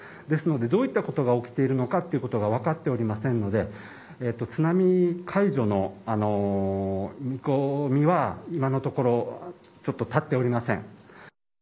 ですので、どういうことが起きているのかが分かっていませんので注意報、警報解除の見込みは今のところちょっと、立っていません。